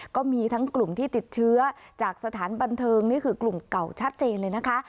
ก็มีทั้งกลุ่มที่ติดเชื้อจากสถานบันเทิงนี่คือกลุ่มเก่าชัดเจนเลยนะคะ